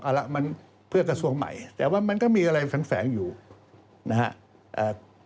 เอาละมันเพื่อกระทรวงใหม่แต่ว่ามันก็มีอะไรแฝงอยู่นะฮะ